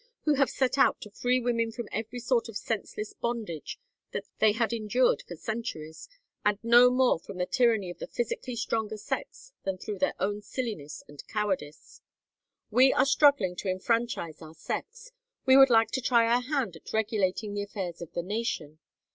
who have set out to free women from every sort of senseless bondage they had endured for centuries, and no more from the tyranny of the physically stronger sex than through their own silliness and cowardice. "We are struggling to enfranchise our sex. We would like to try our hand at regulating the affairs of the nation.